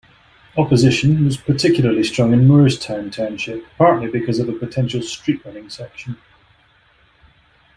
Opposition was particularly strong in Moorestown Township, partly because of a potential street-running section.